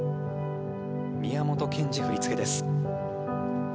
宮本賢二、振り付けです。